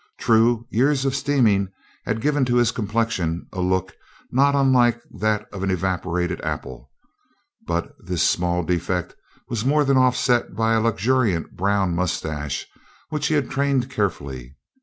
True, years of steaming had given to his complexion a look not unlike that of an evaporated apple, but this small defect was more than offset by a luxuriant brown mustache which he had trained carefully.